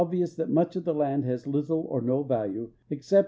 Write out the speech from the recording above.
vious that much of the land has little or no value, except a.